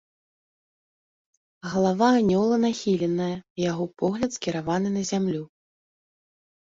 Галава анёла нахіленая, яго погляд скіраваны на зямлю.